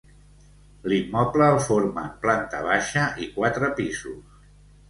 L'immoble el formen planta baixa i quatre pisos.